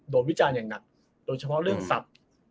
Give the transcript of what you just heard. วิจารณ์อย่างหนักโดยเฉพาะเรื่องสัตว์